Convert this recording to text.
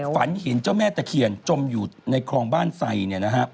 ฝันเห็นเจ้าแม่ตะเคียนจมอยู่ในคลองบ้านไซ